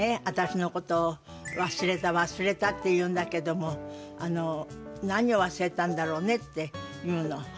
私のことを『忘れた忘れた』って言うんだけども何を忘れたんだろうね？」って言うの。